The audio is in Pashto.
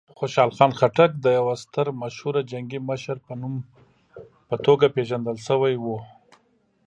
خوشحال خان خټک د یوه ستر مشهوره جنګي مشر په توګه پېژندل شوی و.